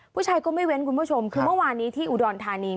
ผู้ชายก็ไม่เว้นคุณผู้ชมคือเมื่อวานนี้ที่อุดรธานี